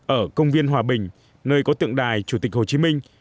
ở công viên hòa bình nơi có tượng đài chủ tịch hồ chí minh